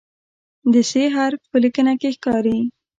د "ث" حرف په لیکنه کې ښکاري.